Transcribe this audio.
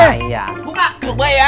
buka gelombang ya